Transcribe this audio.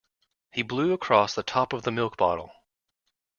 He blew across the top of the milk bottle